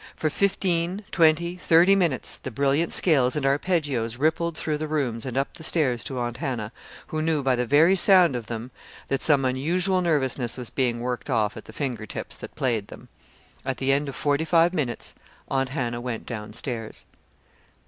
For fifteen, twenty, thirty minutes the brilliant scales and arpeggios rippled through the rooms and up the stairs to Aunt Hannah, who knew, by the very sound of them, that some unusual nervousness was being worked off at the finger tips that played them. At the end of forty five minutes Aunt Hannah went down stairs.